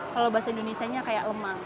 kalau bahasa indonesia nya kayak lemang